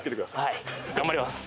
はい頑張ります